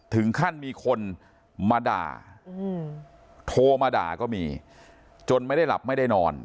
ถึงขั้นมีคนมาด่าโทรมาด่าก็มีจนไม่ได้หลับไม่ได้นอน